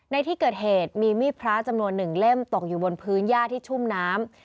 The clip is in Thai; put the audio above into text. ในที่เกิดเหตุมีมีดพระจำนวน๑เล่มตกอยู่บนพื้นย่าที่ชุ่มน้ำ